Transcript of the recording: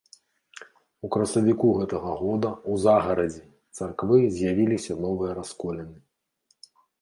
У красавіку гэтага года ў загарадзі царквы з'явіліся новыя расколіны.